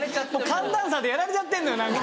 寒暖差でやられちゃってんのよ。